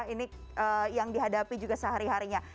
ini yang dihadapi juga sehari harinya